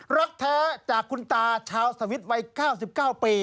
รักแท้จากคุณตาชาวสวิตช์วัย๙๙ปี